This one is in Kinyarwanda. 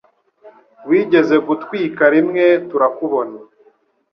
Wigeze gutwika rimwe turakubona